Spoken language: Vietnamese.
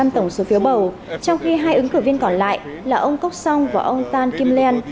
tổng số phiếu bầu trong khi hai ứng cử viên còn lại là ông kok song và ông tan kim lien